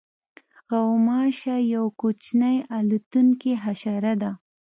غوماشه یوه کوچنۍ الوتونکې حشره ده.